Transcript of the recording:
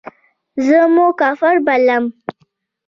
زه مو کافر بللم.